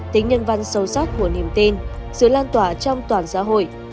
tính nhân văn sâu sắc của niềm tin sự lan tỏa trong toàn xã hội